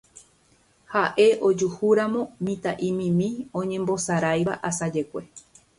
Ha'e ojuhúramo mitã'imimi oñembosaráiva asajekue